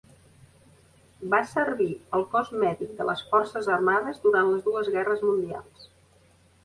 Va servir al cos mèdic de les forces armades durant les dues guerres mundials.